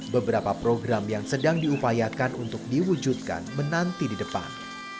beberapa program yang sedang diupayakan untuk diwujudkan menanti di depan